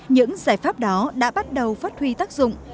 những giải pháp đó đã bắt đầu phát huy tác dụng